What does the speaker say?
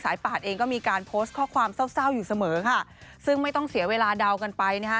ปาดเองก็มีการโพสต์ข้อความเศร้าเศร้าอยู่เสมอค่ะซึ่งไม่ต้องเสียเวลาเดากันไปนะฮะ